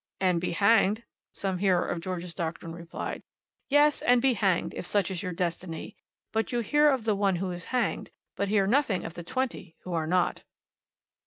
"And be hanged," some hearer of George's doctrine replied. "Yes, and be hanged, if such is your destiny. But you hear of the one who is hanged, but hear nothing of the twenty who are not."